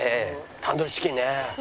タンドリーチキンね。